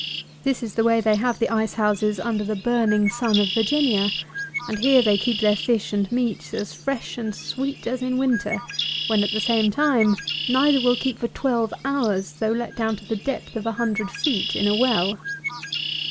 This is the way they have the ice houses under the burning sun of Virginia; and here they keep their fish and meat as fresh and sweet as in winter, when at the same time neither will keep for twelve hours, though let down to the depth of a hundred feet in a well.